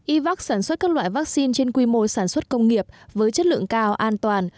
yvac sản xuất các loại vaccine trên quy mô sản xuất công nghiệp với chất lượng cao an toàn